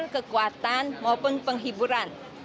kekuatan maupun penghiburan